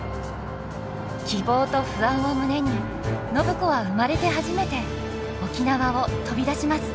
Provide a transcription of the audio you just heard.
希望と不安を胸に暢子は生まれて初めて沖縄を飛び出します。